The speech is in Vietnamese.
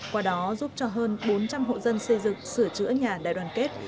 qua đó giúp cho hơn bốn trăm linh hộ dân xây dựng sửa chữa nhà đại đoàn kết